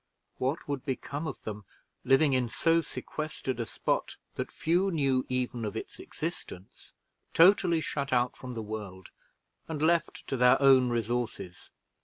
What would become of them living in so sequestered a spot that few knew even of its existence totally shut out from the world, and left to their own resources?